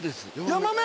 ヤマメ？